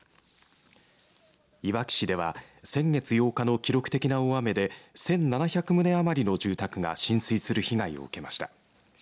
いわき市では先月８日の記録的な大雨で１７００棟余りの住宅が浸水する被害を受けました。